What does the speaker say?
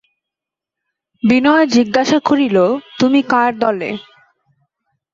বিনয় জিজ্ঞাসা করিল, তুমি কার দলে?